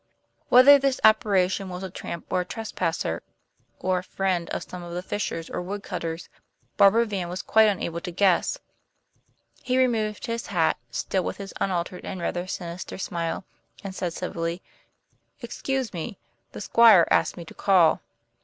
Whether this apparition was a tramp or a trespasser, or a friend of some of the fishers or woodcutters, Barbara Vane was quite unable to guess. He removed his hat, still with his unaltered and rather sinister smile, and said civilly: "Excuse me. The Squire asked me to call."